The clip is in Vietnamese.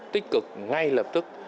tích cực ngay lập tức